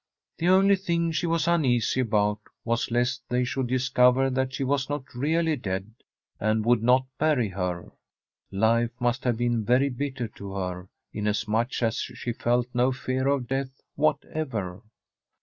The only thing she was uneasy about was lest they should discover that she was not really dead and would not bury her. Life must have been very bitter to her, inasmuch as she felt no fear of death whatever.